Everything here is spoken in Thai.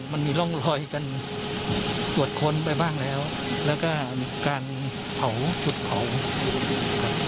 มันมีร่องรอยการตรวจค้นไปบ้างแล้วแล้วก็มีการเผาจุดเผาครับ